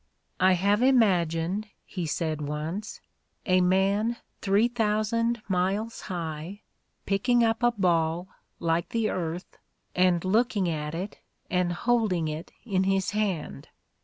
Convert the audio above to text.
"I have imagined," he said once, "a man three thousand miles high picking up a ball like the earth and looking at it and holding it in his hand.